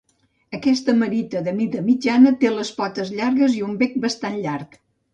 Aquesta merita de mida mitjana té les potes llargues i un bec bastant llarg.